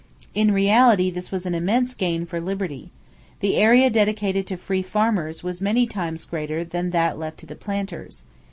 In reality this was an immense gain for liberty. The area dedicated to free farmers was many times greater than that left to the planters.